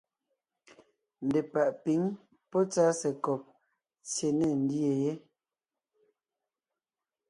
Ndepàʼ pǐŋ pɔ́ tsásekɔb tsyé ne ńdyê yé.